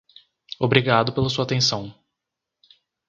Obrigado pela sua atenção.